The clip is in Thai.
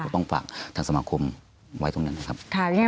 ต้องฝากทางสมาคมไว้ตรงนั้นนะครับ